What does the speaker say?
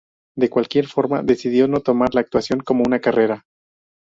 De cualquier forma, decidió no tomar la actuación como una carrera.